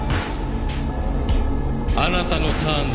あなたのターンですよ。